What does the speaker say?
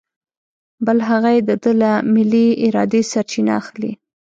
بل هغه یې د ده له ملې ارادې سرچینه اخلي.